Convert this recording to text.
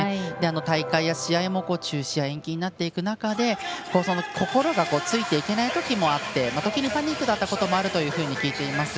大会や試合も中止や延期になっていく中で心がついていけないときもあってパニックだったときもあったと聞いています。